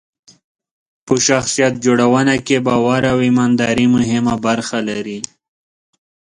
په شخصیت جوړونه کې باور او ایمانداري مهمه برخه لري.